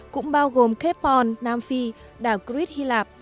cũng bao gồm cape horn nam phi đảo crete hy lạp